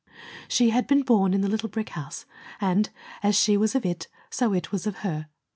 She had been born in the little brick house, and, as she was of it, so it was of her.